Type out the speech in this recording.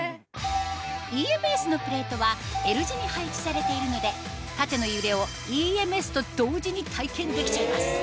ＥＭＳのプレートはＬ字に配置されているので縦の揺れをＥＭＳと同時に体験できちゃいます